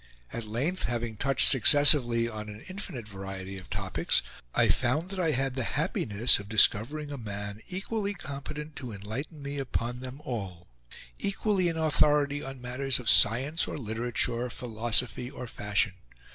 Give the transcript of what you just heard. At length, having touched successively on an infinite variety of topics, I found that I had the happiness of discovering a man equally competent to enlighten me upon them all, equally an authority on matters of science or literature, philosophy or fashion.